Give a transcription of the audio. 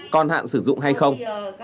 con hạn sử dụng hay không